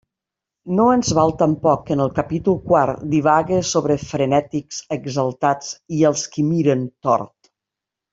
No ens val tampoc que en el capítol quart divague sobre frenètics, exaltats i els que miren tort.